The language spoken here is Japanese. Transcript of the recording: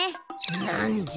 なんじゃ。